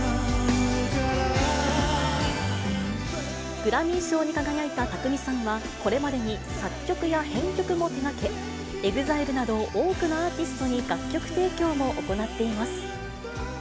グラミー賞に輝いた宅見さんは、これまでに作曲や編曲も手がけ、ＥＸＩＬＥなど多くのアーティストに楽曲提供も行っています。